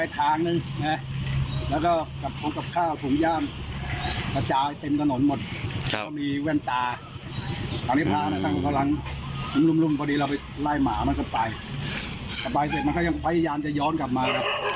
จะไปเสร็จมันก็ยังพยายามจะย้อนกลับมาครับ